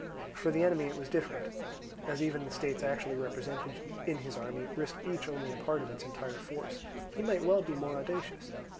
For the enemy it was different; as even the states actually represented in his army risked each only a part of its entire force, he might well be more audacious.